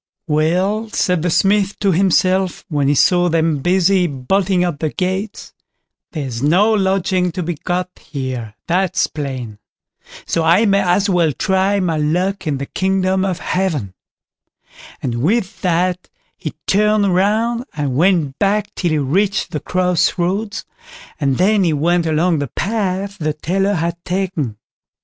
"Well!" said the Smith to himself, when he saw them busy bolting up the gates, "there's no lodging to be got here, that's plain; so I may as well try my luck in the kingdom of Heaven"; and with that he turned round and went back till he reached the cross roads, and then he went along the path the tailor had taken.